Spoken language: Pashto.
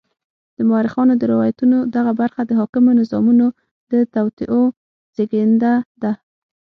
د مورخانو د روایتونو دغه برخه د حاکمو نظامونو د توطیو زېږنده ده.